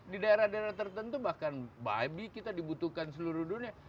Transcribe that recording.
di daerah daerah tertentu bahkan babi kita dibutuhkan seluruh dunia